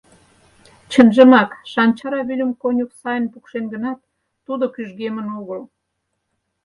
Чынжымак, Шанчара вӱльым конюх сайын пукшен гынат, тудо кӱжгемын огыл.